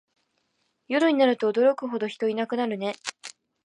夜になると驚くほど人いなくなるね